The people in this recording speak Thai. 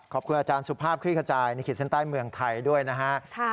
ขอบคุณอาจารย์สุภาพคลี่ขจายในขีดเส้นใต้เมืองไทยด้วยนะฮะ